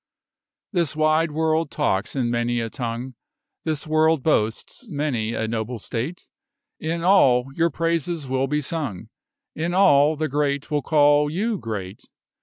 This wide world talks in many a tongue This world boasts many a noble state; In all your praises will be sung In all the great will call you great.